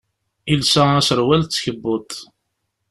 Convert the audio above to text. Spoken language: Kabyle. Yelsa aserwal d tkebbuḍt.